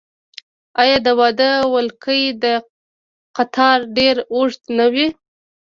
آیا د واده ولکۍ یا قطار ډیر اوږد نه وي؟